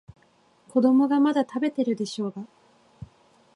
子供がまだ食べてるでしょうが。